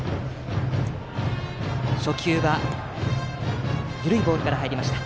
初球は緩いボールから入りました。